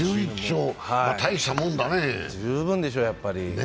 十分でしょう、やっぱり。